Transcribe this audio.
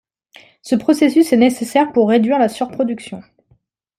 Ce processus est nécessaire pour réduire la sur-production.